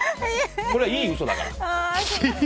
これはいい嘘だから。